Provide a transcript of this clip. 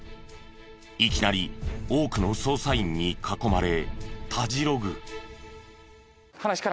いきなり多くの捜査員に囲まれたじろぐ。